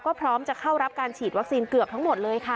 ก็พร้อมจะเข้ารับการฉีดวัคซีนเกือบทั้งหมดเลยค่ะ